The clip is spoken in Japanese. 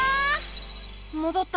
もどった！